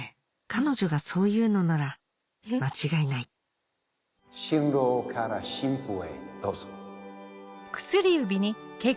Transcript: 彼女がそう言うのなら間違いない新郎から新婦へどうぞ。